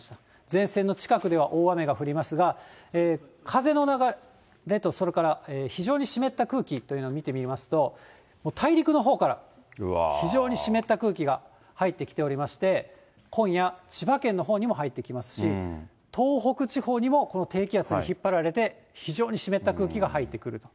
前線の近くでは大雨が降りますが、風の流れと、それから非常に湿った空気というのを見てみますと、大陸のほうから非常に湿った空気が入ってきておりまして、今夜、千葉県のほうにも入ってきますし、東北地方にも、この低気圧に引っ張られて、非常に湿った空気が入ってくる。